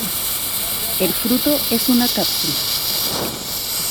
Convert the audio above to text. El fruto es una cápsula.